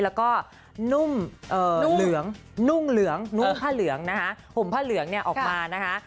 และก็นุ่มหลืองหนูมผ้าเหลืองผมผ้าเหลืองออกมานะคะ